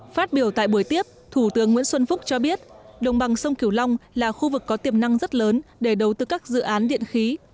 phát biểu tại buổi tiếp thủ tướng nguyễn xuân phúc cho biết đồng bằng sông kiểu long là khu vực có tiềm năng rất lớn để đầu tư các dự án điện khí